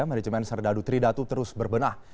manajemen serdadu tridatu terus berbenah